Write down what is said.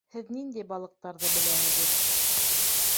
Һеҙ ниндәй балыҡтарҙы беләһегеҙ?